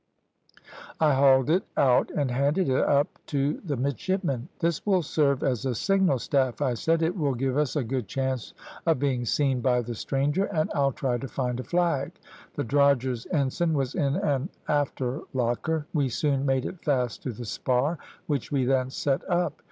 I hauled it out and handed it up to the midshipmen. `This will serve as a signal staff,' I said; `it will give us a good chance of being seen by the stranger, and I'll try to find a flag.' The drogher's ensign was in an after locker. We soon made it fast to the spar, which we then set up.